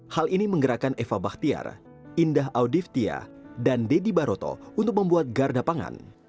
hal ini menggerakkan eva bahtiar indah audiftia dan deddy baroto untuk membuat garda pangan